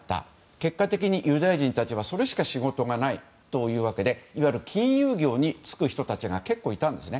結果的にユダヤ人たちはそれしか仕事がないというわけでいわゆる金融業に就く人たちが結構、いたんですね。